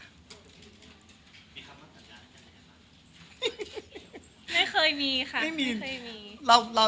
ไม่เคยมีค่ะ